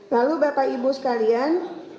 lalu bapak ibu sekalian